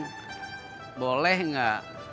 uang boleh gak